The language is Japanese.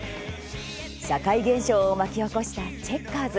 社会現象を巻き起こしたチェッカーズ。